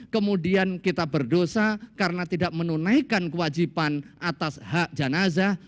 kemudian kita berdosa karena tidak menunaikan kewajiban atas hak jenazah